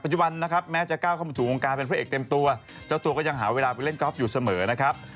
จุบันนะครับแม้จะก้าวเข้ามาสู่วงการเป็นพระเอกเต็มตัวเจ้าตัวก็ยังหาเวลาไปเล่นกอล์ฟอยู่เสมอนะครับ